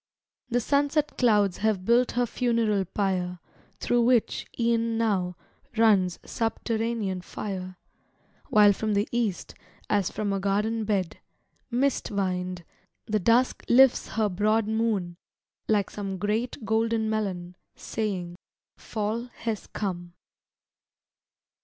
The sunset clouds have built her funeral pyre, Through which, e'en now, runs subterranean fire: While from the East, as from a garden bed, Mist vined, the Dusk lifts her broad moon like some Great golden melon saying, "Fall has come."